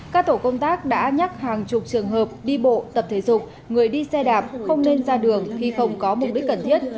các tổ công tác đã nhắc hàng chục trường hợp đi bộ tập thể dục người đi xe đạp không nên ra đường khi không có mục đích cần thiết